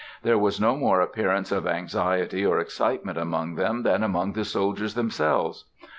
There was no more appearance of anxiety or excitement among them than among the soldiers themselves.